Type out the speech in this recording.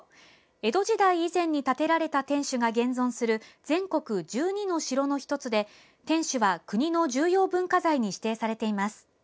江戸時代以前に建てられた天守が現存する全国１２の城の１つで天守は国の重要文化財に指定されています。